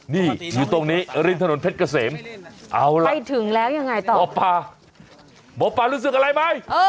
นี่อยู่ตรงนี้ริมถนนเพชรเกษมเอาล่ะไปถึงแล้วยังไงต่อหมอปลาหมอปลารู้สึกอะไรไหม